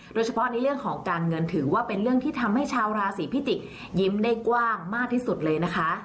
โดยเฉพาะในเรื่องของการเงินถือว่าเป็นเรื่องที่ทำให้ชาวราศีพิจิกยิ้มได้กว้างมากที่สุดเลยนะคะ